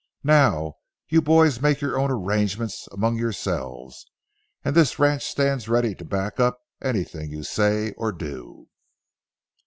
Now, you boys make your own arrangements among yourselves, and this ranch stands ready to back up anything you say or do."